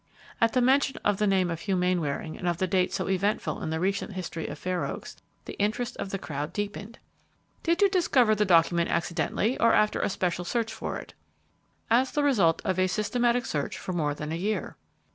At the mention of the name of Hugh Mainwaring and of the date so eventful in the recent history of Fair Oaks, the interest of the crowd deepened. "Did you discover the document accidentally, or after special search for it?" "As the result of a systematic search for more than a year."